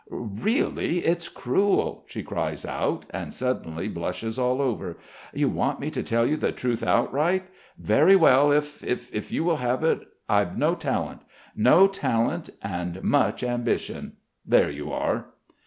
"Really, it's cruel," she cries out, and suddenly blushes all over. "You want me to tell you the truth outright. Very well if ... if you will have it I I've no talent! No talent and ... much ambition! There you are!"